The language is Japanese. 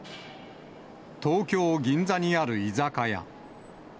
東京・銀座にある居酒屋。